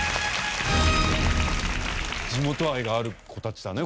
地元愛がある子たちだね